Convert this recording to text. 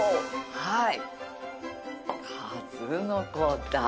はい。